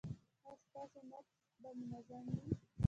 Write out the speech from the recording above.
ایا ستاسو نبض به منظم وي؟